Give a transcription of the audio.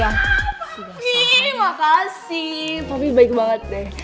haaa popi makasih popi baik banget deh